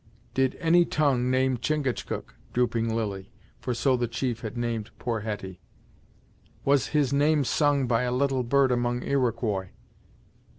"Did any tongue name Chingachgook, Drooping Lily"? for so the chief had named poor Hetty. "Was his name sung by a little bird among Iroquois?"